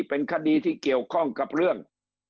เป็นคดีที่เกี่ยวข้องกับเรื่อง